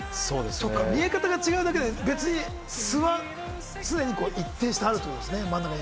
見え方が違うだけで、素は常に一定してあるということですね、真ん中に。